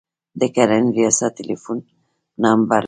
د کرنې ریاست ټلیفون نمبر لرئ؟